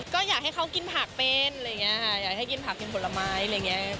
ก็อยากให้เขากินผักเป็นอยากให้กินผักกินผลไม้อะไรอย่างนี้